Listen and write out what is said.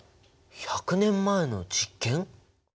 １００年前の実験！？